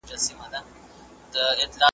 تاسو باید د دولتي پلان له مخي څېړنه وکړئ.